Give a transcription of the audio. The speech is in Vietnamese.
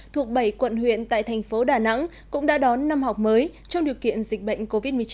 thuộc bảy quận huyện tại thành phố đà nẵng cũng đã đón năm học mới trong điều kiện dịch bệnh covid một mươi chín